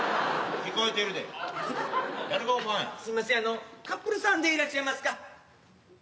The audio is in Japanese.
すみませんカップルさんでいらっしゃいますか？